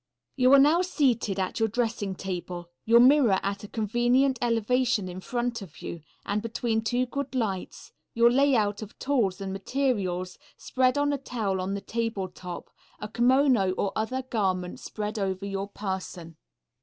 You are now seated at your dressing table, your mirror at a convenient elevation in front of you and between two good lights, your lay out of tools and materials spread on a towel on the table top, a kimono or other garment spread over your person.